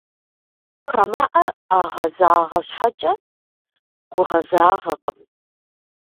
Хамэӏэр ӏэгъэзагъэ щхьэкӏэ, гугъэзагъэкъым.